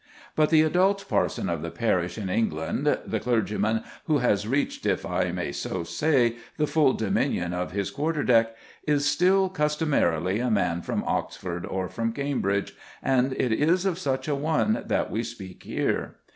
But the adult parson of the parish in England, the clergyman who has reached, if I may so say, the full dominion of his quarter deck, is still customarily a man from Oxford or from Cambridge, and it is of such a one that we speak here.